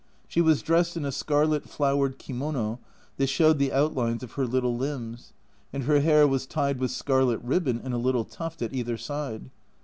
She was dressed in a scarlet flowered kimono that showed the outlines of her little limbs, and her hair was tied with scarlet ribbon in a little tuft at either side.